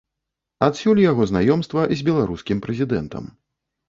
Адсюль яго знаёмства з беларускім прэзідэнтам.